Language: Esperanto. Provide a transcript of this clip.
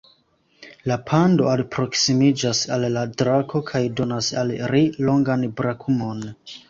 La pando alproksimiĝas al la drako, kaj donas al ri longan brakumon.